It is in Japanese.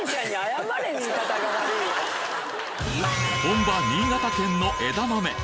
本場新潟県の枝豆